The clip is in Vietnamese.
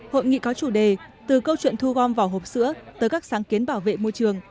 hội nghị có chủ đề từ câu chuyện thu gom vỏ hộp sữa tới các sáng kiến bảo vệ môi trường